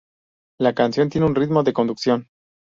La canción tiene un ritmo de conducción.